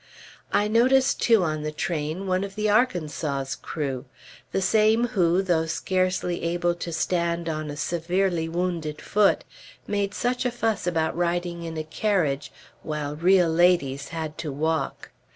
I noticed, too, on the train, one of the Arkansas's crew. The same who, though scarcely able to stand on a severely wounded foot, made such a fuss about riding in a carriage while "real ladies" had to walk.